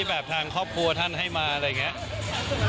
แบบทางครอบครัวท่านให้มาอะไรอย่างนี้